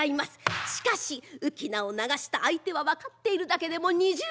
しかし浮き名を流した相手は分かっているだけでも２０人。